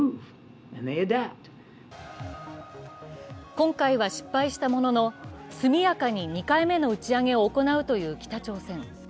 今回は失敗したものの速やかに２回目の打ち上げを行うという北朝鮮。